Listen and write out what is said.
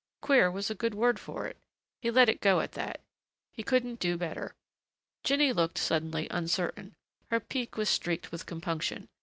Queer was a good word for it. He let it go at that. He couldn't do better. Jinny looked suddenly uncertain. Her pique was streaked with compunction.